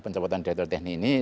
penempatan direktur teknik ini